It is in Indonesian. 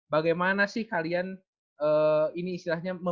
tegraku aja supaya sendiri ga apa apa